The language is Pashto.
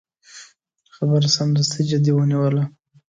خبره سمدستي جدي ونیوله.